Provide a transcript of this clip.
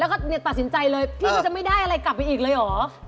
แล้วก็ตัดสินใจเลยพี่ก็จะไม่ได้อะไรกลับไปอีกเลยเหรอ